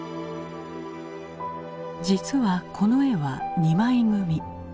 実はこの絵は２枚組。